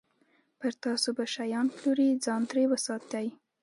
پر تاسو به شیان پلوري، ځان ترې وساتئ.